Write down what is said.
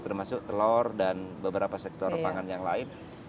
termasuk telur dan beberapa sektor pangan yang lain